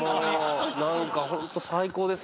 何かホント最高です。